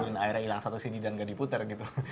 dan akhirnya hilang satu cd dan gak diputer gitu